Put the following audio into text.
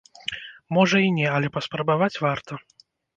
Можа і не, але паспрабаваць варта.